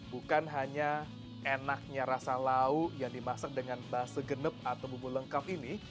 bukan hanya enaknya rasa lauk yang dimasak dengan base genep atau bumbu lengkap ini